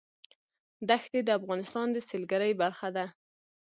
دښتې د افغانستان د سیلګرۍ برخه ده.